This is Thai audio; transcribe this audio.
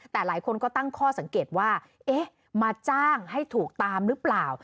แต่หลายคนก็ตั้งข้อสังเกตว่าเอ๊ะมาจ้างให้ถูกตามหรือเปล่า